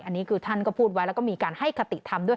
อันนี้คือท่านก็พูดไว้แล้วก็มีการให้คติธรรมด้วย